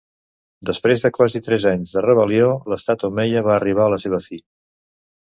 Després de quasi tres anys de rebel·lió, l'estat omeia va arribar a la seva fi.